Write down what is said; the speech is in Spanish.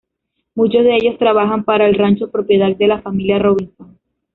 Muchos de ellos trabajan para el rancho propiedad de la familia Robinson.